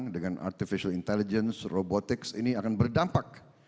dengan artificial intelligence robotics ini akan berdampak